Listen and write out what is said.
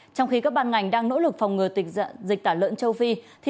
trong khi các ban ngành đang nỗ lực phòng ngừa dịch tả lợn châu phi